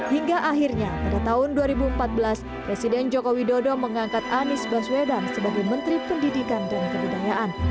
hingga akhirnya pada tahun dua ribu empat belas presiden joko widodo mengangkat anies baswedan sebagai menteri pendidikan dan kebudayaan